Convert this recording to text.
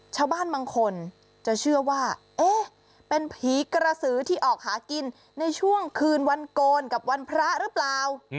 ชาวบ้านบางคนจะเชื่อว่าเอ๊ะเป็นผีกระสือที่ออกหากินในช่วงคืนวันโกนกับวันพระหรือเปล่า